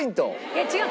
いや違う。